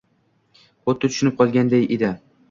Xuddi tushib qolganday edi.